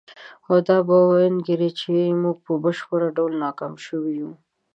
او دا به وانګیري چې موږ په بشپړ ډول ناکام شوي یو.